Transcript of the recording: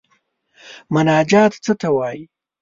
مناجات څه ته وايي.